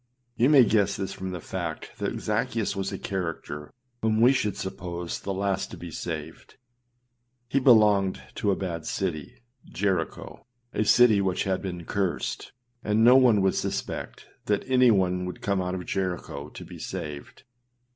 You may guess this from the fact that Zaccheus was a character whom we should suppose the last to be saved. He belonged to a bad city â Jericho â a city which had been cursed, and no one would suspect that anyone would come out of Jericho to be saved.